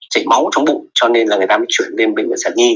chảy máu trong bụng cho nên là người ta mới chuyển lên bệnh viện sản nhi